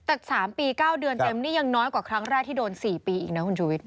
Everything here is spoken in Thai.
แต่๓ปี๙เดือนเต็มนี่ยังน้อยกว่าครั้งแรกที่โดน๔ปีอีกนะคุณชุวิต